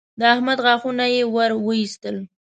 د احمد غاښونه يې ور واېستل